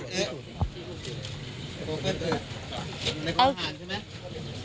ในกรมหาญใช่ไหม